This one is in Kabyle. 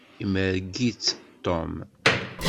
Imerreg-itt Tom.